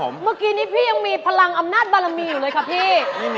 เมื่อกี้นี้พี่ยังมีพลังอำนาจบารมีอยู่เลยค่ะพี่